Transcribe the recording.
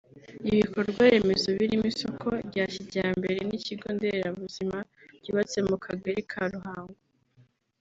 Ibikorwaremezo birimo isoko rya kijyambere n’ikigo Nderabuzima byubatse mu Kagari ka Ruhango